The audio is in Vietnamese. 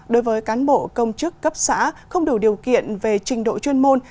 đối với cán bộ công chức cấp xã không đủ điều kiện về trình độ chuyên môn